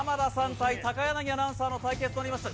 対高柳アナウンサーの対決となりました。